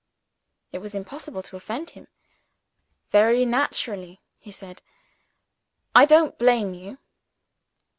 It was impossible to offend him. "Very naturally," he said; "I don't blame you."